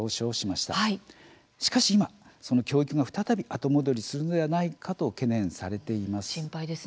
しかし今その教育が再び後戻りするのではないかと懸念されているんです。